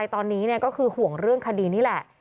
ตอนนี้ก็คือห่วงเรื่องคดีนี่แหละ